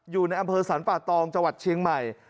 อยู่ในอำเภอสรรป่าตองจังหวัดเชียงใหม่